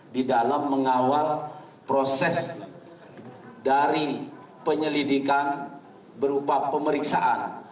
di dalam mengawal proses dari penyelidikan berupa pemeriksaan